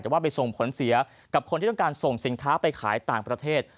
แต่ว่าไปส่งผลเสียกับคนที่ต้องการส่งสินค้าไปขายต่างประเทศ